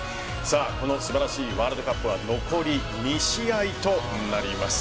この素晴らしいワールドカップは残り２試合となります。